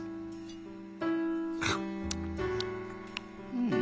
うん。